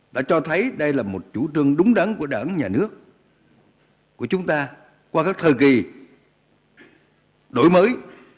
đã cho thấy đây là một chủ trương đúng đắn của đảng nhà nước của chúng ta qua các thời kỳ đổi mới